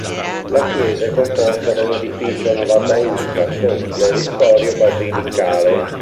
La chiesa è composta da un edificio a navata unica con cleristorio basilicale.